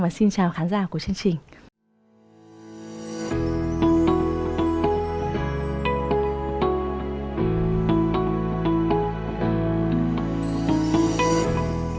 và xin chào khán giả của chương trình